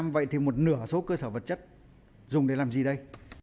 vậy thì một nửa số cơ sở vật chất dùng để làm gì đây